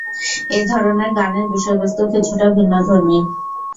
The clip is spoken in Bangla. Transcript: এ ধরনের গানের বিষয়বস্তু কিছুটা ভিন্নধর্মী।